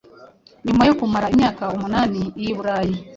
Nyuma yo kumara imyaka umunani i Burayi –